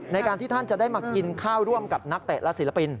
ในการที่ท่านจะได้มากินข้าวร่วมกับนักเตะและศิลปิน